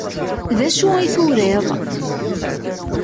D acu i turiḍ?